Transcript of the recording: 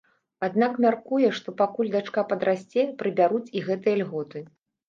Аднак мяркуе, што пакуль дачка падрасце, прыбяруць і гэтыя льготы.